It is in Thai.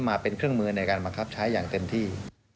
มาเป็นเครื่องมือในการบังคับใช้อย่างเต็มที่